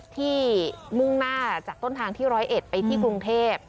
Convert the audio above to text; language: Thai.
มุ่งหน้าจากต้นทางที่๑๐๑ไปที่กรุงเทพ